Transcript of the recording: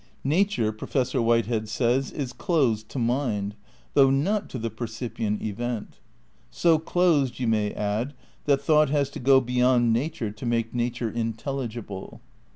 "Nature," Professor Whitehead says, "is closed to mind," though not to the percipient event; so closed, you may add, that thought has to go beyond nature to make nature intelligible.